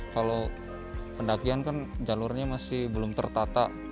kalau pendakian kan jalurnya masih belum tertata